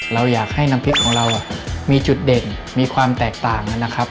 เราอยากให้น้ำพริกของเรามีจุดเด่นมีความแตกต่างนะครับ